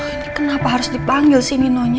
ini kenapa harus dipanggil si ninonya